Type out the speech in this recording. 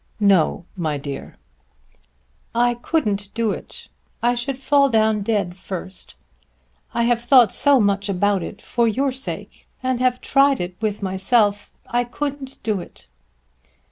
"No, my dear." "I couldn't do it. I should fall down dead first. I have thought so much about it, for your sake; and have tried it with myself. I couldn't do it."